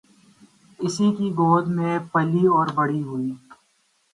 اسی کی گود میں پلی اور بڑی ہوئی۔